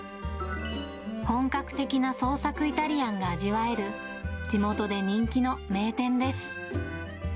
本格的な創作イタリアンが味わえる、地元で人気の名店です。